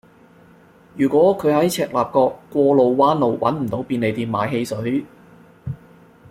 如果佢喺赤鱲角過路灣路搵唔到便利店買汽水